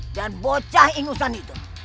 dan bocah ingusan itu